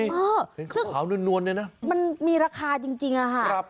พลาวนูนเลยนะมันมีราคาจริงอะค่ะครับ